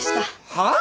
はあ！？